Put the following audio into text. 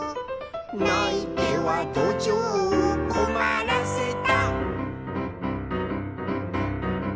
「ないてはどじょうをこまらせた」